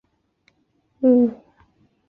三枝九叶草是小檗科淫羊藿属的植物。